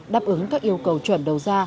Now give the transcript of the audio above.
đáp ứng các yêu cầu chuẩn đầu ra